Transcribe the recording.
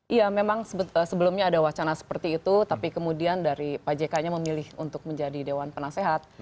iya memang sebelumnya ada wacana seperti itu tapi kemudian dari pak jk nya memilih untuk menjadi dewan penasehat